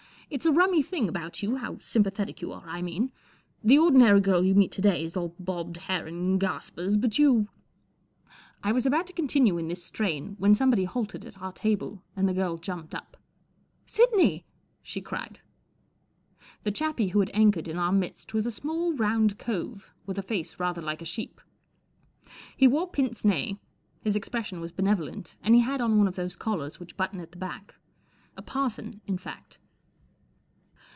It's a rummy thing about you—how sympathetic you are, I mean. The ordinary girl you meet to day is all bobbed hair and gaspers, but you " I was about to continue in this strain, when somebody halted at our table, and the girl jumped up. " Sidney !" she cried. The chappie who had anchored in our midst was a small, round cove with a face rather like a sheep. He wore pince nez, his expression was benevolent, and he had on one of those collars which button at the back. A parson, in fact.